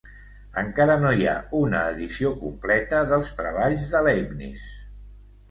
Encara no hi ha una edició completa dels treballs de Leibniz.